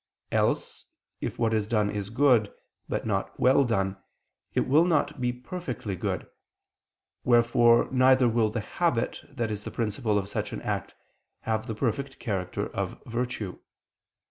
Else, if what is done is good, but not well done, it will not be perfectly good; wherefore neither will the habit that is the principle of such an act, have the perfect character of virtue.